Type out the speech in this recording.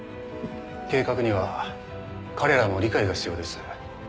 計画には彼らの理解が必要です。